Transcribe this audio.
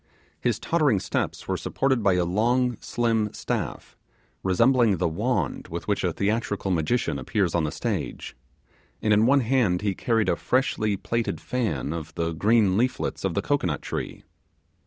His tottering steps were supported by a long slim staff, resembling the wand with which a theatrical magician appears on the stage, and in one hand he carried a freshly plaited fan of the green leaflets of the cocoanut tree.